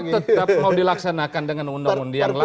kalau tetap mau dilaksanakan dengan undang undang yang lama